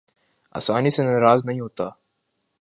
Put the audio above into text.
آسانی سے ناراض نہیں ہوتا